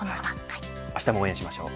あしたも応援しましょう。